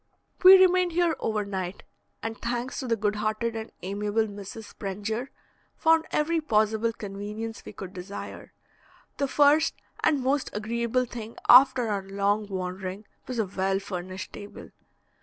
We remained here over night, and, thanks to the good hearted and amiable Mrs. Sprenger, found every possible convenience we could desire. The first and most agreeable thing after our long wandering, was a well furnished table.